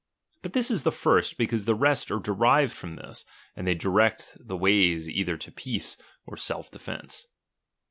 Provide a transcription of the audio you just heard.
But this is the first, because the rest are derived from this, and they direct the ways either to peace or self defence.